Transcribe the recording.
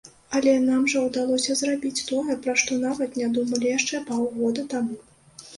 Але нам жа ўдалося зрабіць тое, пра што нават не думалі яшчэ паўгода таму.